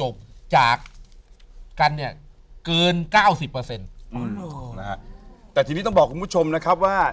จบจากกันเนี่ยเกิน๙๐แต่ที่นี้ต้องบอกคุณผู้ชมนะครับว่า